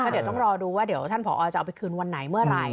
เดี๋ยวต้องรอดูว่าเดี๋ยวท่านผอจะเอาไปคืนวันไหนเมื่อไหร่